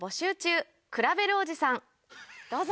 どうぞ。